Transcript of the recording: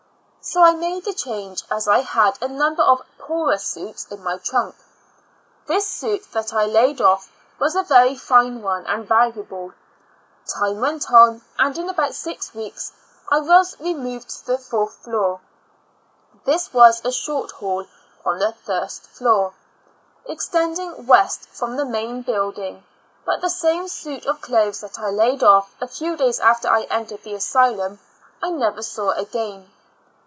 So 1 made the change, as I had a number of poorer suits in my trunk. This suit that I laid off was a very fine one and valuable. Time went on, and in about six weeks I was 52 Two Years and Four Months removed to the fourth floor. This was a short hall on the first floor, extending west from the main building; but the same suit of clothes that I laid ofi", a few days after I entered the asylum, I never saw again.